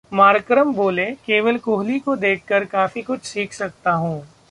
Markram बोले- केवल कोहली को देखकर काफी कुछ सीख सकता हूं